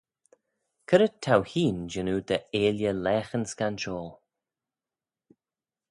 C'red t'ou hene jannoo dy 'eailley laghyn scanshoil?